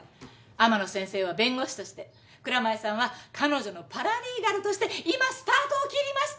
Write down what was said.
天野先生は弁護士として蔵前さんは彼女のパラリーガルとして今スタートを切りました！